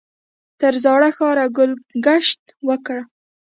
تر زاړه ښاره ګل ګشت وکړ.